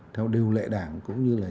theo đều lệ đảng cũng như là